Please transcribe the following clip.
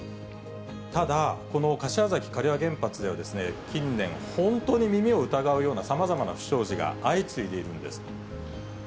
ただ、この柏崎刈羽原発では近年、本当に耳を疑うようなさまざまな不祥事が相次いでいるんです。